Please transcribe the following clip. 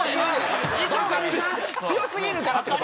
衣装が強すぎるからって事！